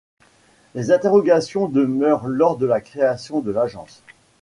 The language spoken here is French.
Les interrogations demeurent lors de la création de l'Agence.